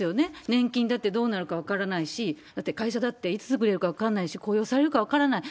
年金だってどうなるか分からないし、会社だっていつ潰れるか、雇用されるか分からない。